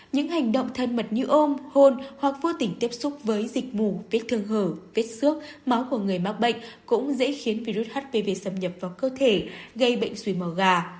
những hành động thân mật như ôm hôn hoặc vô tình tiếp xúc với dịch vụ vết thương hở vết xước máu của người mắc bệnh cũng dễ khiến virus hpv xâm nhập vào cơ thể gây bệnh suy mờ gà